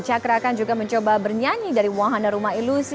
cakrakan juga mencoba bernyanyi dari wahana rumah ilusi